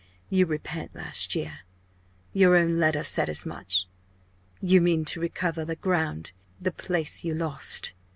You repent last year. Your own letter said as much. You mean to recover, the ground the place you lost.